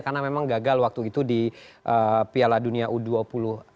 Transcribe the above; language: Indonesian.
karena memang gagal waktu itu di piala dunia u dua puluh